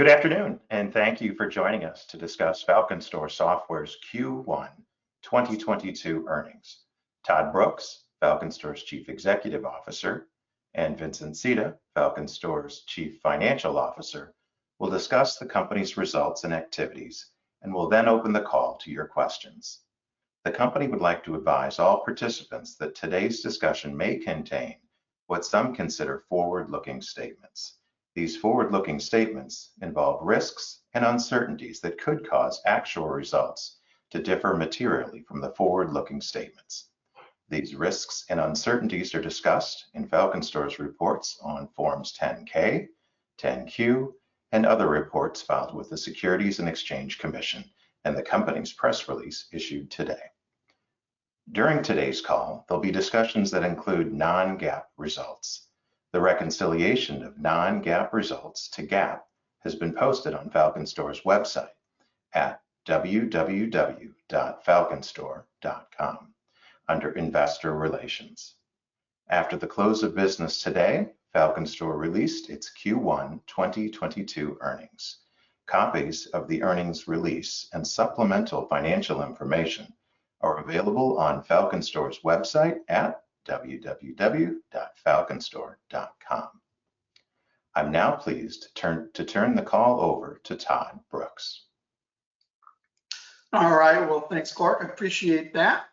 Good afternoon, and thank you for joining us to discuss FalconStor Software's Q1 2022 earnings. Todd Brooks, FalconStor's Chief Executive Officer, and Vincent Sita, FalconStor's Chief Financial Officer, will discuss the company's results and activities, and will then open the call to your questions. The company would like to advise all participants that today's discussion may contain what some consider forward-looking statements. These forward-looking statements involve risks and uncertainties that could cause actual results to differ materially from the forward-looking statements. These risks and uncertainties are discussed in FalconStor's reports on Forms 10-K, 10-Q, and other reports filed with the Securities and Exchange Commission, and the company's press release issued today. During today's call, there'll be discussions that include non-GAAP results. The reconciliation of non-GAAP results to GAAP has been posted on FalconStor's website at www.falconstor.com under Investor Relations. After the close of business today, FalconStor released its Q1 2022 earnings. Copies of the earnings release and supplemental financial information are available on FalconStor's website at www.falconstor.com. I'm now pleased to turn the call over to Todd Brooks. All right. Well, thanks, Clark. I appreciate that.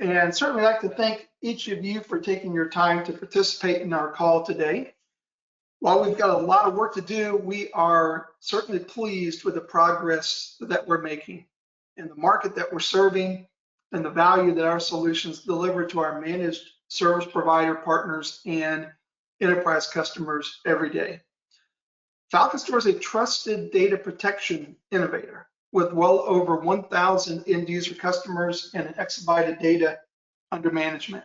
Certainly like to thank each of you for taking your time to participate in our call today. While we've got a lot of work to do, we are certainly pleased with the progress that we're making in the market that we're serving and the value that our solutions deliver to our managed service provider partners and enterprise customers every day. FalconStor is a trusted data protection innovator with well over 1,000 end user customers and an exabyte of data under management.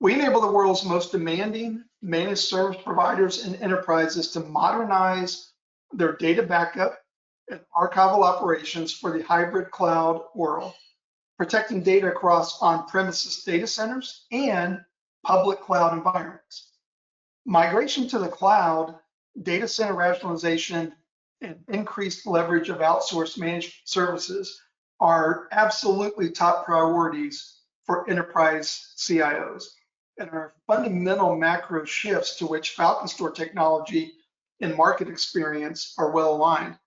We enable the world's most demanding managed service providers and enterprises to modernize their data backup and archival operations for the hybrid cloud world, protecting data across on-premises data centers and public cloud environments. Migration to the cloud, data center rationalization, and increased leverage of outsourced managed services are absolutely top priorities for enterprise CIOs and are fundamental macro shifts to which FalconStor technology and market experience are well-aligned.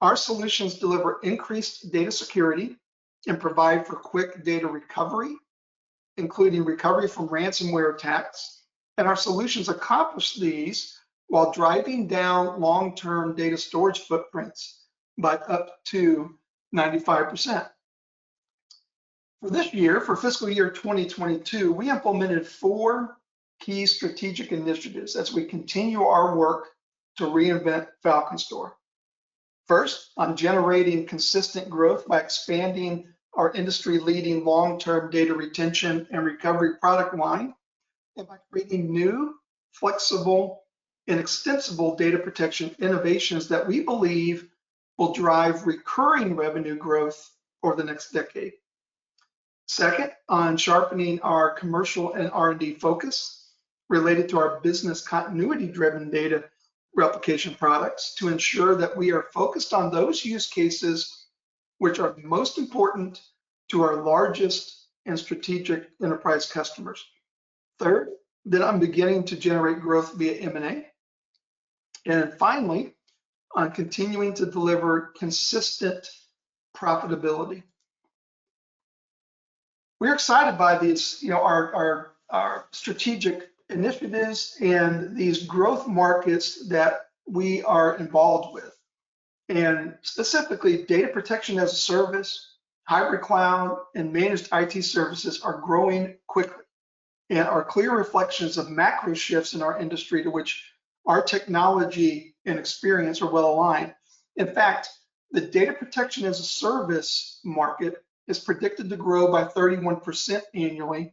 Our solutions deliver increased data security and provide for quick data recovery, including recovery from ransomware attacks, and our solutions accomplish these while driving down long-term data storage footprints by up to 95%. For this year, for fiscal year 2022, we implemented four key strategic initiatives as we continue our work to reinvent FalconStor. First, on generating consistent growth by expanding our industry-leading long-term data retention and recovery product line, and by creating new, flexible, and extensible data protection innovations that we believe will drive recurring revenue growth over the next decade. Second, on sharpening our commercial and R&D focus related to our business continuity-driven data replication products to ensure that we are focused on those use cases which are most important to our largest and strategic enterprise customers. Third, that I'm beginning to generate growth via M&A. Finally, on continuing to deliver consistent profitability. We're excited by these, you know, our strategic initiatives and these growth markets that we are involved with. Specifically, data protection as a service, hybrid cloud, and managed IT services are growing quickly and are clear reflections of macro shifts in our industry to which our technology and experience are well-aligned. In fact, the data protection as a service market is predicted to grow by 31% annually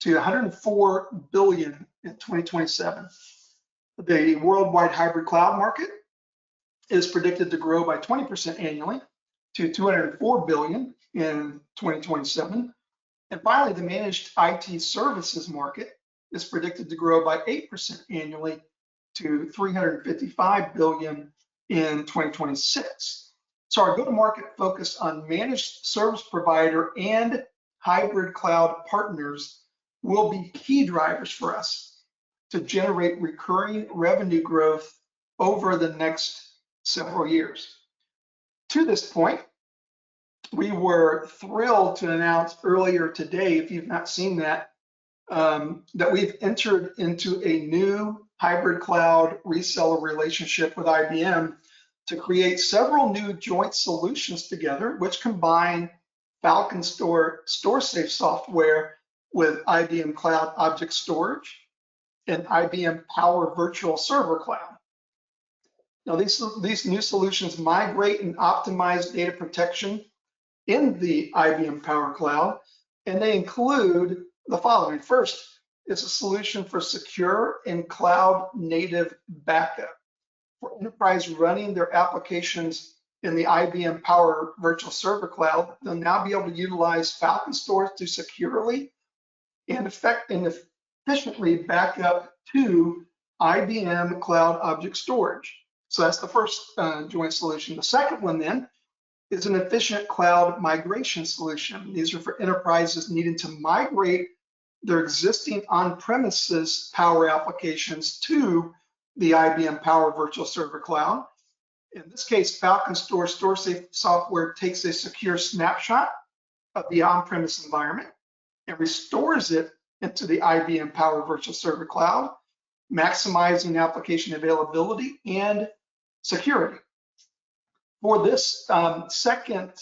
to $104 billion in 2027. The worldwide hybrid cloud market is predicted to grow by 20% annually to $204 billion in 2027. Finally, the managed IT services market is predicted to grow by 8% annually to $355 billion in 2026. Our go-to-market focus on managed service provider and hybrid cloud partners will be key drivers for us to generate recurring revenue growth over the next several years. To this point, we were thrilled to announce earlier today, if you've not seen that we've entered into a new hybrid cloud reseller relationship with IBM to create several new joint solutions together, which combine FalconStor StorSafe software with IBM Cloud Object Storage and IBM Power Virtual Server Cloud. Now, these new solutions migrate and optimize data protection in the IBM Power Cloud, and they include the following. First is a solution for secure and cloud-native backup. For enterprises running their applications in the IBM Power Virtual Server Cloud, they'll now be able to utilize FalconStor to securely and efficiently back up to IBM Cloud Object Storage. That's the first joint solution. The second one is an efficient cloud migration solution. These are for enterprises needing to migrate their existing on-premises Power applications to the IBM Power Virtual Server Cloud. In this case, FalconStor StorSafe software takes a secure snapshot of the on-premises environment and restores it into the IBM Power Virtual Server Cloud, maximizing application availability and security. For this second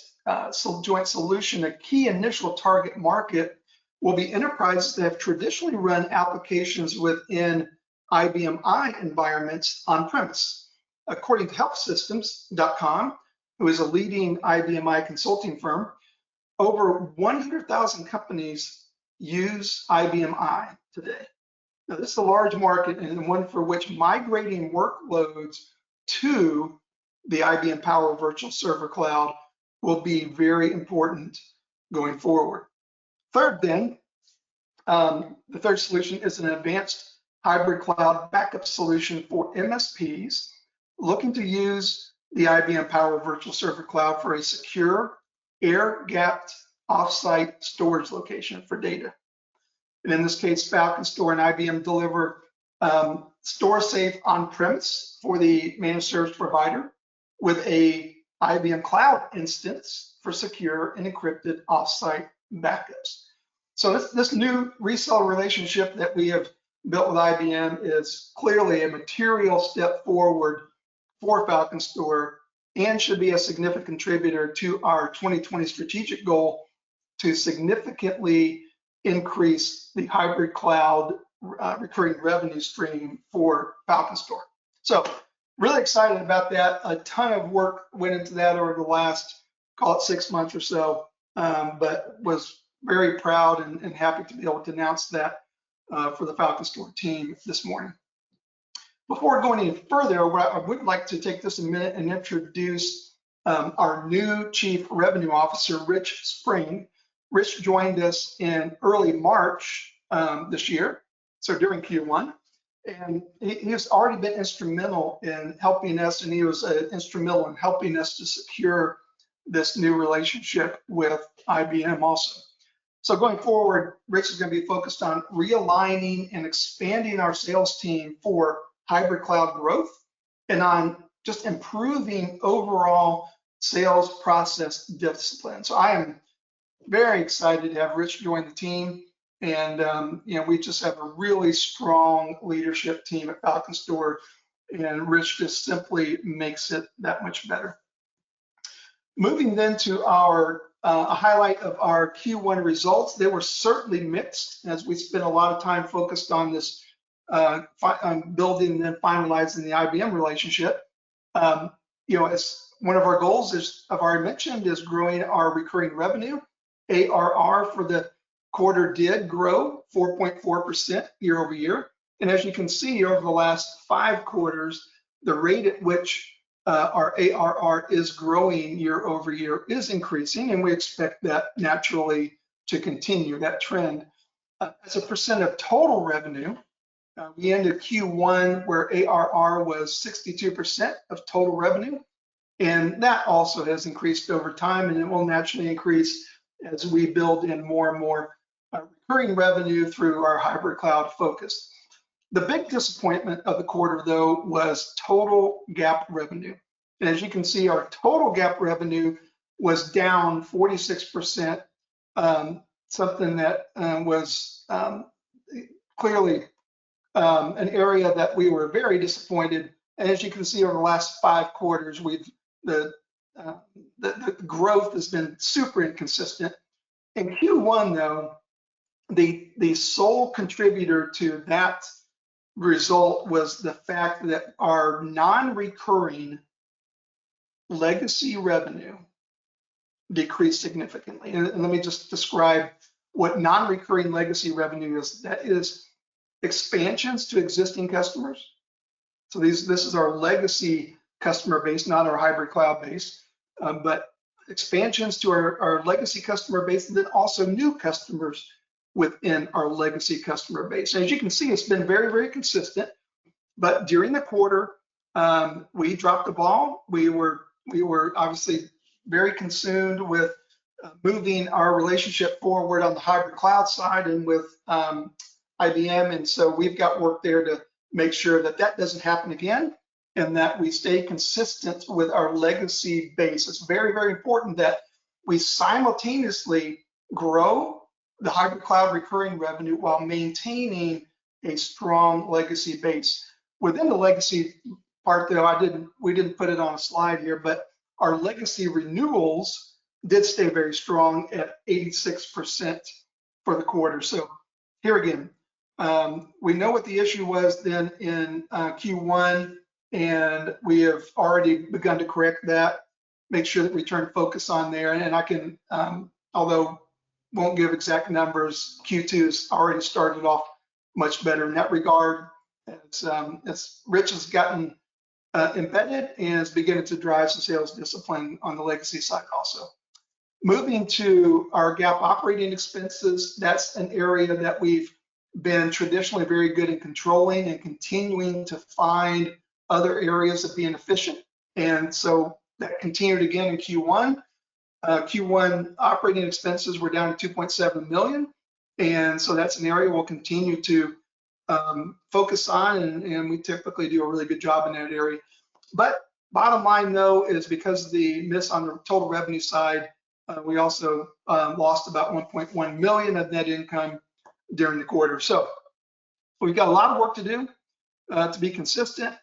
joint solution, a key initial target market will be enterprises that have traditionally run applications within IBM i environments on-premises. According to HelpSystems.com, who is a leading IBM i consulting firm, over 100,000 companies use IBM i today. Now, this is a large market and one for which migrating workloads to the IBM Power Virtual Server cloud will be very important going forward. Third, the third solution is an advanced hybrid cloud backup solution for MSPs looking to use the IBM Power Virtual Server cloud for a secure, air-gapped, off-site storage location for data. In this case, FalconStor and IBM deliver StorSafe on-premises for the managed service provider with an IBM cloud instance for secure and encrypted off-site backups. This new reseller relationship that we have built with IBM is clearly a material step forward for FalconStor and should be a significant contributor to our 2020 strategic goal to significantly increase the hybrid cloud recurring revenue stream for FalconStor. Really excited about that. A ton of work went into that over the last, call it six months or so. Was very proud and happy to be able to announce that for the FalconStor team this morning. Before I go any further, I would like to take just a minute and introduce our new Chief Revenue Officer, Rich Spring. Rich joined us in early March this year, so during Q1. He has already been instrumental in helping us, and he was instrumental in helping us to secure this new relationship with IBM also. Going forward, Rich is gonna be focused on realigning and expanding our sales team for hybrid cloud growth and on just improving overall sales process discipline. I am very excited to have Rich join the team and, you know, we just have a really strong leadership team at FalconStor, and Rich just simply makes it that much better. Moving to a highlight of our Q1 results, they were certainly mixed as we spent a lot of time focused on building and finalizing the IBM relationship. You know, as one of our goals is, I've already mentioned, is growing our recurring revenue. ARR for the quarter did grow 4.4% year-over-year. As you can see over the last Q5, the rate at which our ARR is growing year-over-year is increasing, and we expect that naturally to continue that trend. As a percent of total revenue, we ended Q1 where ARR was 62% of total revenue, and that also has increased over time, and it will naturally increase as we build in more and more recurring revenue through our hybrid cloud focus. The big disappointment of the quarter though was total GAAP revenue. As you can see, our total GAAP revenue was down 46%, something that was clearly an area that we were very disappointed. As you can see over the last Q5, the growth has been super inconsistent. In Q1 though, the sole contributor to that result was the fact that our non-recurring legacy revenue decreased significantly. Let me just describe what non-recurring legacy revenue is. That is expansions to existing customers. This is our legacy customer base, not our hybrid cloud base. Expansions to our legacy customer base and then also new customers within our legacy customer base. As you can see, it's been very, very consistent. During the quarter, we dropped the ball. We were obviously very consumed with moving our relationship forward on the hybrid cloud side and with IBM. We've got work there to make sure that that doesn't happen again and that we stay consistent with our legacy base. It's very, very important that we simultaneously grow the hybrid cloud recurring revenue while maintaining a strong legacy base. Within the legacy part though, we didn't put it on a slide here, but our legacy renewals did stay very strong at 86% for the quarter. Here again, we know what the issue was then in Q1, and we have already begun to correct that, make sure that we turn focus on there. I can, although I won't give exact numbers. Q2 has already started off much better in that regard, and Rich has gotten embedded and is beginning to drive some sales discipline on the legacy side also. Moving to our GAAP operating expenses, that's an area that we've been traditionally very good at controlling and continuing to find other areas of being efficient. That continued again in Q1. Q1 operating expenses were down to $2.7 million, and so that's an area we'll continue to focus on, and we typically do a really good job in that area. Bottom line though is because of the miss on the total revenue side, we also lost about $1.1 million of net income during the quarter. We've got a lot of work to do to be consistent.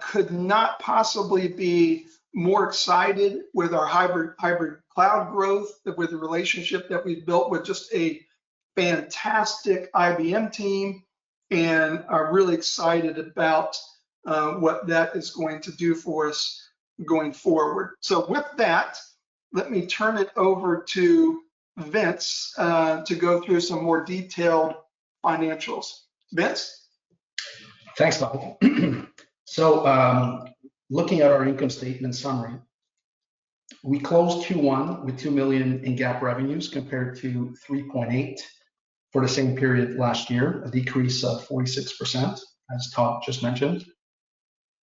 Could not possibly be more excited with our hybrid cloud growth, with the relationship that we've built with just a fantastic IBM team, and are really excited about what that is going to do for us going forward. With that, let me turn it over to Vince to go through some more detailed financials. Vince? Thanks, Todd. Looking at our income statement summary, we closed Q1 with $2 million in GAAP revenues compared to $3.8 million for the same period last year, a decrease of 46%, as Todd just mentioned.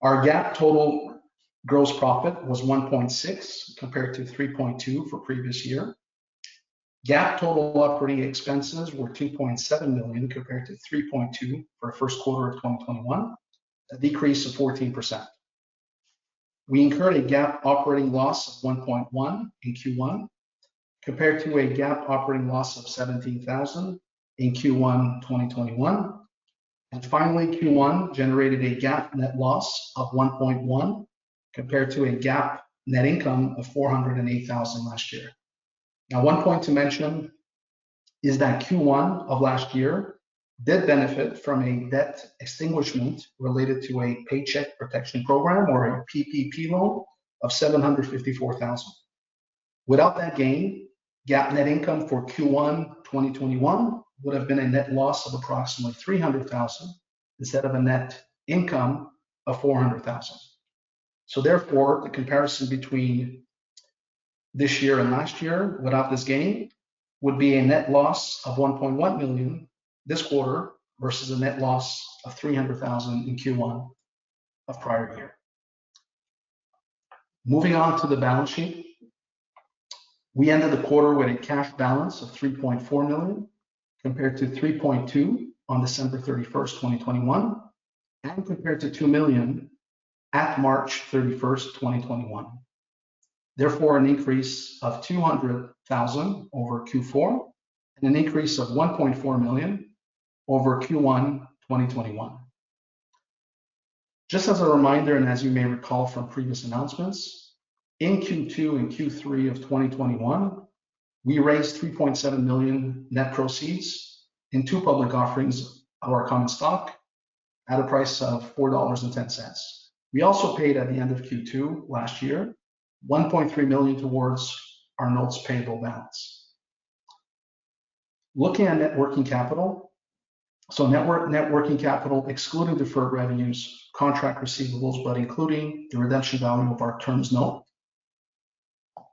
Our GAAP total gross profit was $1.6 million compared to $3.2 million for previous year. GAAP total operating expenses were $2.7 million compared to $3.2 million for Q1 of 2021, a decrease of 14%. We incurred a GAAP operating loss of $1.1 million in Q1 compared to a GAAP operating loss of $17,000 in Q1 2021. Q1 generated a GAAP net loss of $1.1 million compared to a GAAP net income of $408,000 last year. One point to mention is that Q1 of last year did benefit from a debt extinguishment related to a Paycheck Protection Program or a PPP loan of $754,000. Without that gain, GAAP net income for Q1, 2021 would have been a net loss of approximately $300,000 instead of a net income of $400,000. The comparison between this year and last year without this gain would be a net loss of $1.1 million this quarter versus a net loss of $300,000 in Q1 of prior year. Moving on to the balance sheet. We ended the quarter with a cash balance of $3.4 million compared to $3.2 million on December 31st, 2021, and compared to $2 million at March 31st, 2021. Therefore, an increase of $200,000 over Q4 and an increase of $1.4 million over Q1 2021. Just as a reminder, and as you may recall from previous announcements, in Q2 and Q3 of 2021, we raised $3.7 million net proceeds in two public offerings of our common stock at a price of $4.10. We also paid at the end of Q2 last year $1.3 million towards our notes payable balance. Looking at net working capital. Net working capital, excluding deferred revenues, contract receivables, but including the redemption value of our terms note,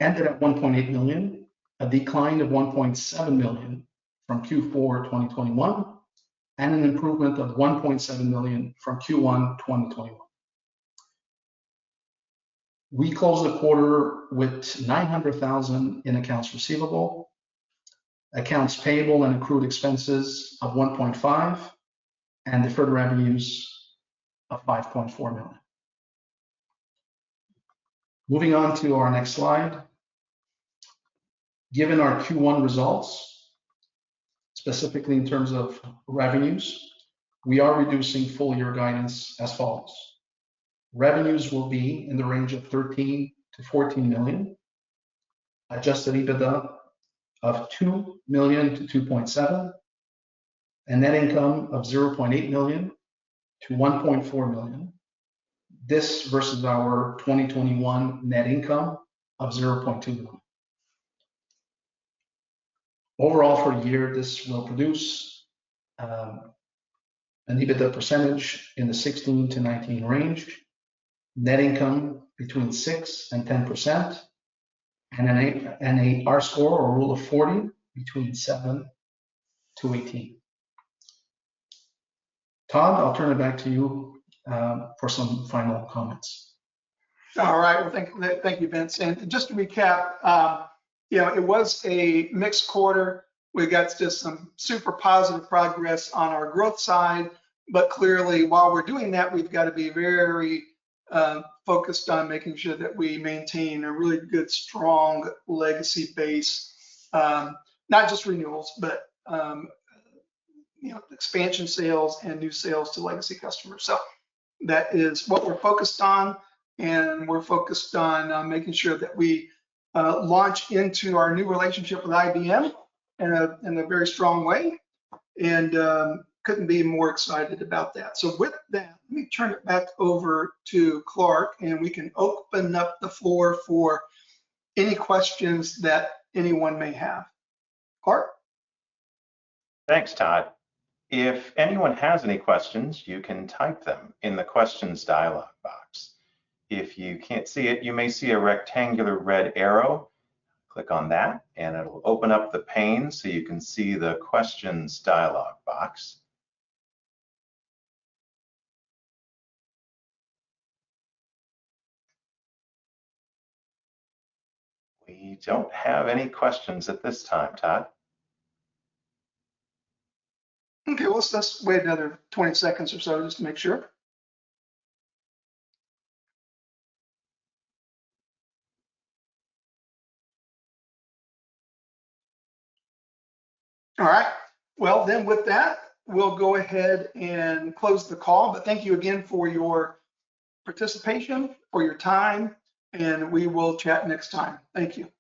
ended at $1.8 million, a decline of $1.7 million from Q4 2021, and an improvement of $1.7 million from Q1 2021. We closed the quarter with $900,000 in accounts receivable, accounts payable, and accrued expenses of $1.5, and deferred revenues of $5.4 million. Moving on to our next slide. Given our Q1 results, specifically in terms of revenues, we are reducing full year guidance as follows. Revenues will be in the range of $13 million-$14 million, adjusted EBITDA of $2 million-$2.7 million, and net income of $0.8 million-$1.4 million. This versus our 2021 net income of $0.2 million. Overall for a year, this will produce an EBITDA percentage in the 16%-19% range, net income between 6%-10%, and an ARR score or Rule of 40 between 7-18. Todd, I'll turn it back to you for some final comments. All right. Well, thank you, Vince. Just to recap, you know, it was a mixed quarter. We got just some super positive progress on our growth side. Clearly, while we're doing that, we've got to be very focused on making sure that we maintain a really good, strong legacy base. Not just renewals, but, you know, expansion sales and new sales to legacy customers. That is what we're focused on, and we're focused on making sure that we launch into our new relationship with IBM in a very strong way and couldn't be more excited about that. With that, let me turn it back over to Clark, and we can open up the floor for any questions that anyone may have. Clark? Thanks, Todd. If anyone has any questions, you can type them in the questions dialogue box. If you can't see it, you may see a rectangular red arrow. Click on that, and it'll open up the pane so you can see the questions dialogue box. We don't have any questions at this time, Todd. Okay. Well, let's wait another 20 seconds or so just to make sure. All right. Well, with that, we'll go ahead and close the call. Thank you again for your participation, for your time, and we will chat next time. Thank you.